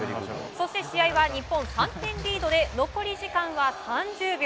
そして、試合は日本３点リードで残り時間は３０秒。